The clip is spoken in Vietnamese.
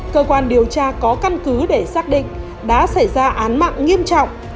cơ quan điều tra có căn cứ để xác định đã xảy ra án mạng nghiêm trọng